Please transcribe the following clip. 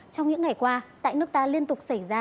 trong những ngày qua tại nước ta liên tục xảy ra